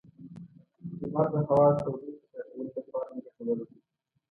لمر د هوا د تودوخې زیاتولو لپاره هم ګټور دی.